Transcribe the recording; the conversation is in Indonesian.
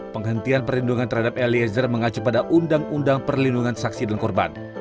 penghentian perlindungan terhadap eliezer mengacu pada undang undang perlindungan saksi dan korban